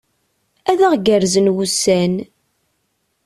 Ad aɣ-gerrzen wussan!